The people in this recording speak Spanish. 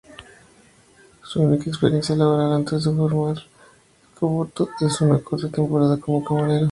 Su única experiencia laboral antes de formar Eskorbuto fue una corta temporada como camarero.